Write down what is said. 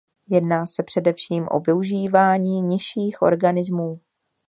Jedná se především o využívání nižších organizmů.